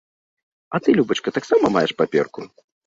А ты, любачка, таксама маеш паперку?